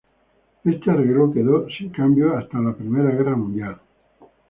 Este arreglo quedó sin cambios hasta la Primera Guerra Mundial.